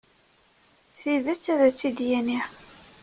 Tidet, ad tt-id-yini.